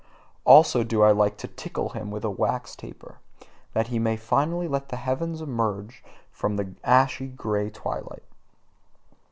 Also do I like to tickle him with a wax taper, that he may finally let the heavens emerge from ashy grey twilight.